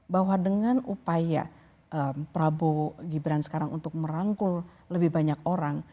bahwa dengan upaya prabowo gibran sekarang untuk merangkul lebih banyak orang